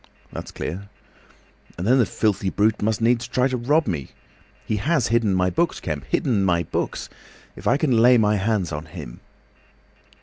"That's clear." "And then the filthy brute must needs try and rob me! He has hidden my books, Kemp. Hidden my books! If I can lay my hands on him!"